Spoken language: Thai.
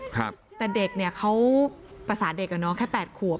ครับแต่เด็กเนี่ยเขาภาษาเด็กอ่ะเนาะแค่แปดขวบ